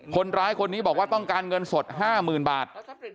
คนร้ายคนนี้บอกว่าต้องการเงินสด๕๐๐๐บาท